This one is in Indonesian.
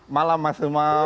malam mas umar